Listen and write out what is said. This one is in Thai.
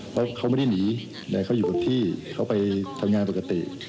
แล้วเขาไม่ได้หนีแต่เขาอยู่กับที่เขาไปทำงานปกติ